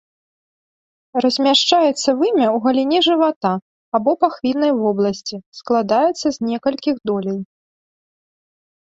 Размяшчаецца вымя ў галіне жывата або пахвіннай вобласці, складаецца з некалькіх доляй.